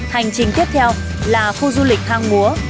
hành trình tiếp theo là khu du lịch thang múa